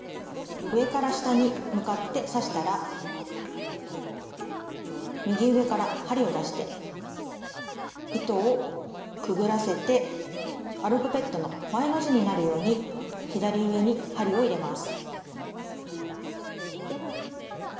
上から下に向かって刺したら右上から針を出して糸をくぐらせてアルファベットの「Ｙ」の字になるように左上に針を入れます。